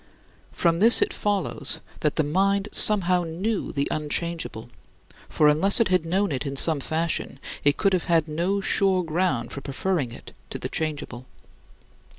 From this it follows that the mind somehow knew the unchangeable, for, unless it had known it in some fashion, it could have had no sure ground for preferring it to the changeable.